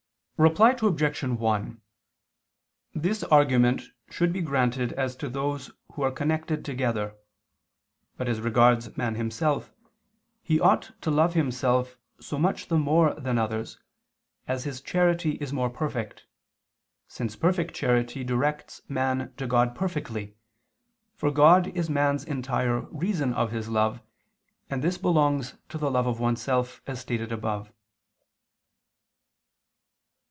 Reply Obj. 1: This argument should be granted as to those who are connected together; but as regards man himself, he ought to love himself so much the more than others, as his charity is more perfect, since perfect entire reason of his love, for God is man's charity directs man to God perfectly, and this belongs to love of oneself, as stated above.